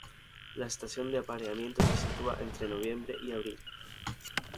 La estación de apareamiento se sitúa entre noviembre y abril.